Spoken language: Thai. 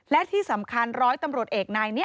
และที่สำคัญร้อยตำรวจเอกนายนี้